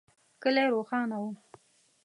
کلی روښانه و.